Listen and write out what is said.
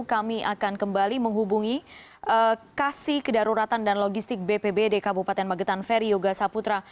kami akan kembali menghubungi kasih kedaruratan dan logistik bpbd kabupaten magetan ferry yoga saputra